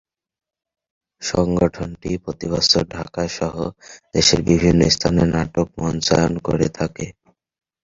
সংগঠনটি প্রতিবছর ঢাকা সহ দেশের বিভিন্ন স্থানে নাটক মঞ্চায়ন করে থাকে।